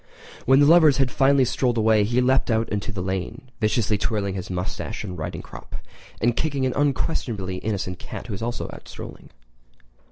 When the lovers had finally strolled away he leapt out into the lane, viciously twirling his moustache and riding crop, and kicking an unquestionably innocent cat who was also out strolling.